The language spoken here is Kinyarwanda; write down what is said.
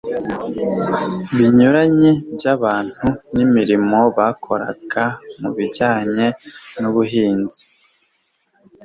binyuranye by abantu n imirimo bakoraga mu bijyanye n ubuhinzi